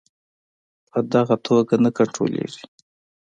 په دغه توګه نه کنټرولیږي.